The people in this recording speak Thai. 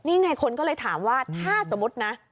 นี่ไงคนก็เลยถามว่าถ้าสมมุตินะ